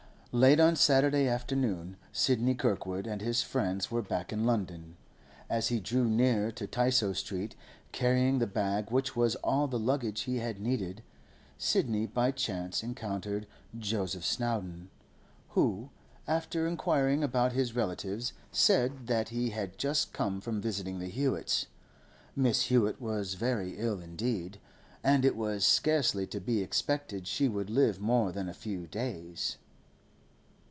Late on Saturday afternoon, Sidney Kirkwood and his friends were back in London. As he drew near to Tysoe Street, carrying the bag which was all the luggage he had needed, Sidney by chance encountered Joseph Snowdon, who, after inquiring about his relatives, said that he had just come from visiting the Hewetts. Mrs. Hewett was very ill indeed; and it was scarcely to be expected she would live more than a few days.